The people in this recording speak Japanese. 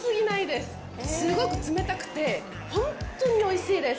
すごく冷たくて本当においしいです。